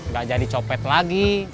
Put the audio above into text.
gak jadi copet lagi